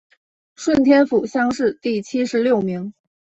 顺天府乡试第七十六名。